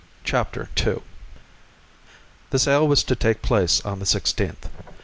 Chapter II The sale was to take place on the 16th.